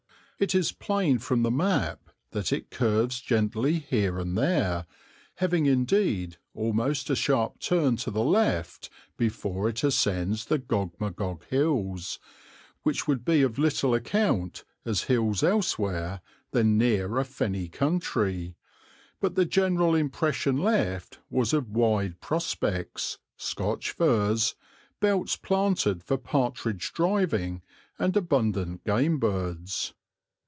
It is plain from the map that it curves gently here and there, having indeed almost a sharp turn to the left before it ascends the Gog Magog Hills which would be of little account as hills elsewhere than near a fenny country but the general impression left was of wide prospects, Scotch firs, belts planted for partridge driving, and abundant game birds.